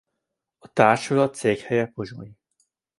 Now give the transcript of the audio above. A társulat székhelye Pozsony.